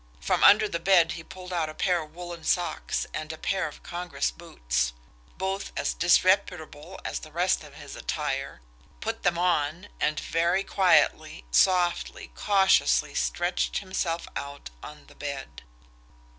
From under the bed he pulled out a pair of woolen socks and a pair of congress boots, both as disreputable as the rest of his attire, put them on and very quietly, softly, cautiously, stretched himself out on the bed.